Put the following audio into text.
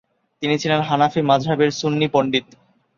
তিনি ছিলেন হানাফি মাজহাব এর সুন্নী পণ্ডিত।